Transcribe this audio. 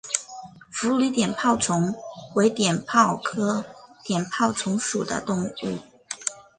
佛理碘泡虫为碘泡科碘泡虫属的动物。